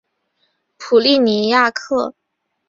普利尼亚克。